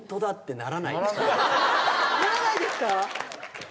ならないですか